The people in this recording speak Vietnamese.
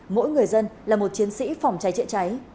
mỗi người dân là một chiến sĩ phòng cháy chữa cháy